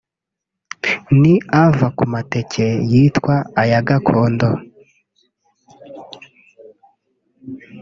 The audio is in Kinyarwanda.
ni ava ku mateke yitwa aya gakondo